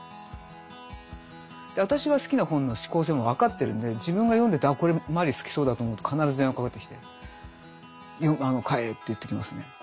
私が好きな本の嗜好性も分かってるんで自分が読んでて「あこれマリ好きそうだ」と思うと必ず電話かかってきて買えって言ってきますね。